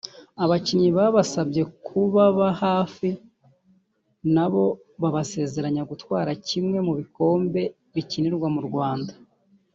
abakinnyi babasabye kubaba hafi nabo babasezeranya gutwara kimwe mu bikombe bikinirwa mu Rwanda